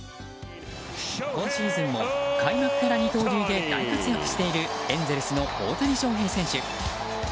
今シーズンも開幕から二刀流で大活躍しているエンゼルスの大谷翔平選手。